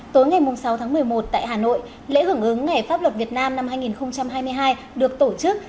tối ngày sáu tháng một mươi một tại hà nội lễ hưởng ứng ngày pháp luật việt nam năm hai nghìn hai mươi hai được tổ chức